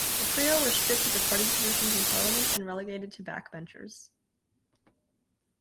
The trio were stripped of the party positions in Parliament and relegated to backbenchers.